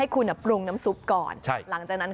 อารมณ์ของแม่ค้าอารมณ์การเสิรฟนั่งอยู่ตรงกลาง